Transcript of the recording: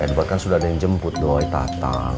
edward kan sudah ada yang jemput doi tatang